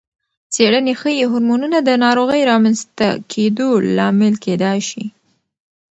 څېړنې ښيي، هورمونونه د ناروغۍ رامنځته کېدو لامل کېدای شي.